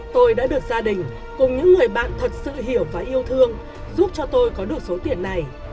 tôi đã được gia đình cùng những người bạn thật sự hiểu và yêu thương giúp cho tôi có đủ số tiền này